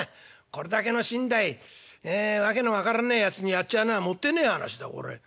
これだけの身代訳の分からねえやつにやっちゃうのはもってえねえ話だこれ。